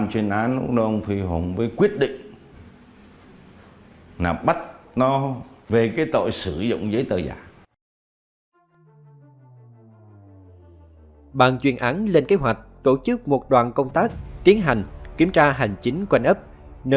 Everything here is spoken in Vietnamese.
thế lúc đó bàn chuyên án lúc đó ông phi hùng